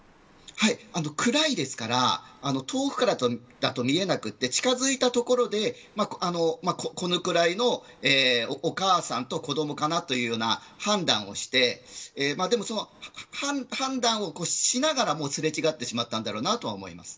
暗いですから遠くからだと見えなくて近づいたところでこのくらいのお母さんと子どもかなというような判断をして判断をしながらもすれ違ってしまったんだろうと思います。